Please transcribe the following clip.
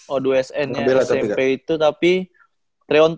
o dua sn ya smp itu tapi tiga on tiga